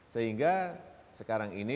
sehingga sekarang ini